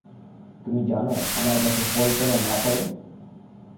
তুমি জান আমার গাছে ফল কেন না ফলে!